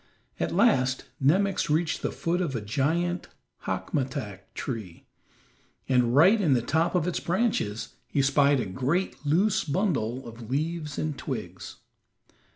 At last Nemox reached the foot of a giant hackmatack tree, and right in the top of its branches he spied a great loose bundle of leaves and twigs.